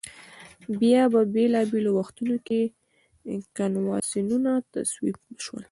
بیا په بېلا بېلو وختونو کې کنوانسیونونه تصویب شول.